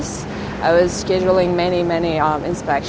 saya menjalankan banyak banyak inspeksi